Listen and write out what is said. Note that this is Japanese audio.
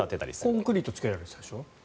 コンクリートつけられてたでしょ。